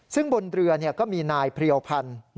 ซึ่งบนเรือก็มีนายเพรียวพันธ์